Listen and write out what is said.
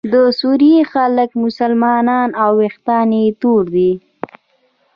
د سوریې خلک مسلمانان او ویښتان یې تور دي.